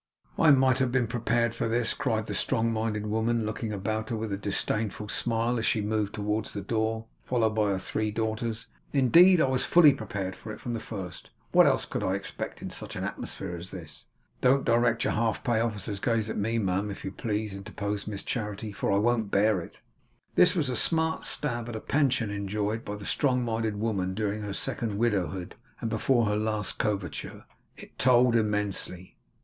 'I might have been prepared for this!' cried the strong minded woman, looking about her with a disdainful smile as she moved towards the door, followed by her three daughters. 'Indeed I was fully prepared for it from the first. What else could I expect in such an atmosphere as this!' 'Don't direct your halfpay officers' gaze at me, ma'am, if you please,' interposed Miss Charity; 'for I won't bear it.' This was a smart stab at a pension enjoyed by the strong minded woman, during her second widowhood and before her last coverture. It told immensely.